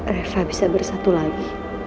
reva bisa bersatu lagi